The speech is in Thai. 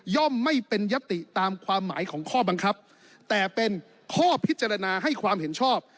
ไม่เป็นยติตามความหมายของข้อบังคับแต่เป็นข้อพิจารณาให้ความเห็นชอบ